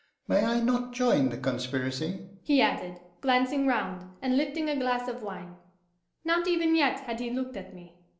May I not join the conspiracy?' he added, glancing round, and lifting a glass of wine. Not even yet had he looked at me.